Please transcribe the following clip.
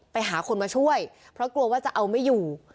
ไปหาคนมาช่วยเพราะกลัวว่าจะเอาไม่อยู่